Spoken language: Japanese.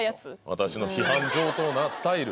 私の批判上等なスタイル？